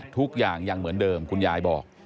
ทุกอย่างยังเหมือนเดิมคุณยายบอก